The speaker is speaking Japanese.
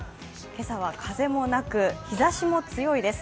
今朝は風もなく、日ざしも強いです